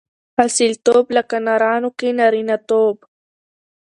اصیلتوب؛ لکه نرانو کښي نارينه توب.